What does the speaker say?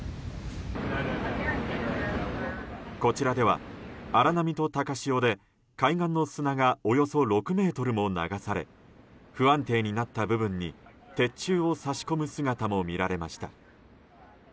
こちらでは、荒波と高潮で海岸の砂がおよそ６ｍも流され不安定になった部分に鉄柱を差し込む姿も見られました。